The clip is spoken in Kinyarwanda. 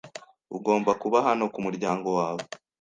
Ugomba kuba hano kumuryango wawe.